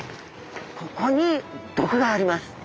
ここに毒があります。